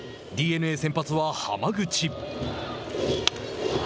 ＤｅＮＡ先発は浜口。